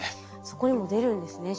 そこにも出るんですね